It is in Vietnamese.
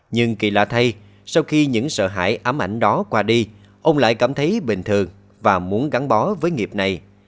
nhưng kỳ lạ thay sau khi những sợ hãi ám ảnh đó qua đi ông lại cảm thấy bình thường và muốn gắn bó với nghiệp này